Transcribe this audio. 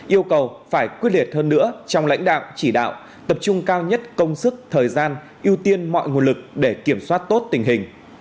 yêu cầu phải quyết liệt hơn nữa trong lãnh đạo chỉ đạo tập trung cao nhất công sức thời gian ưu tiên mọi nguồn lực để kiểm soát tốt tình hình